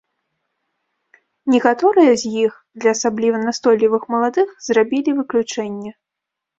Некаторыя з іх для асабліва настойлівых маладых зрабілі выключэнне.